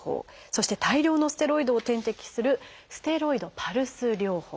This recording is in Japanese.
そして大量のステロイドを点滴する「ステロイドパルス療法」。